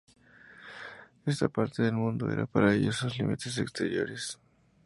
Esta parte del mundo era para ellos, sus límites exteriores.